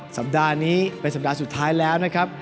สัปดาห์นี้เป็นสัปดาห์สุดท้ายแล้วนะครับ